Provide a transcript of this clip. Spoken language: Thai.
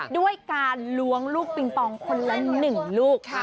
ด้วยการล้วงลูกปิงปองคนละ๑ลูก